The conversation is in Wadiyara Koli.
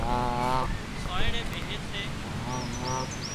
سانئڙي ٻيهي سي